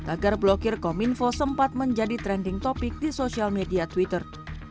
agar blokir kominfo sempat menjadi trending topic di sosial media twitter